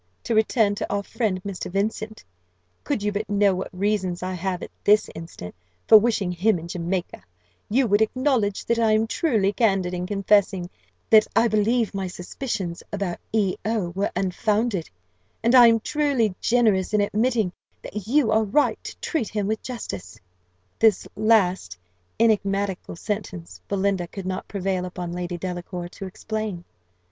To return to our friend Mr. Vincent: could you but know what reasons I have, at this instant, for wishing him in Jamaica, you would acknowledge that I am truly candid in confessing that I believe my suspicions about E O were unfounded; and I am truly generous in admitting that you are right to treat him with justice." This last enigmatical sentence Belinda could not prevail upon Lady Delacour to explain.